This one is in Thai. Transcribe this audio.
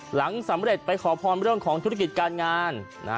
หลังสำเร็จไปขอพรเรื่องของธุรกิจการงาน